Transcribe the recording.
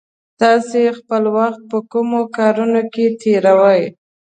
تاسې خپل وخت په کومو کارونو کې تېروئ؟